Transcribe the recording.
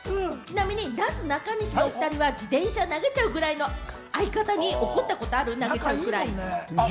ちなみに、なすなかにしのお２人は自転車投げちゃうぐらいの相方に怒ったことある？